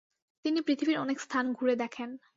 তিনি পৃথিবীর অনেক স্থান ঘুরে দেখেন।